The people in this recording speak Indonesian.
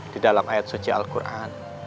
di dalam ayat suci al quran